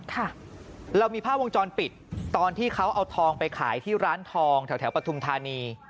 ค่ะเรามีภาพวงจรปิดตอนที่เขาเอาทองไปขายที่ร้านทองแถวแถวปฐุมธานี